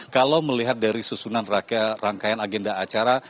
kalau melihat dari susunan rangkaian agenda acara